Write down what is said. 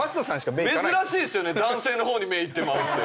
珍しいっすよね男性の方に目行ってまうって。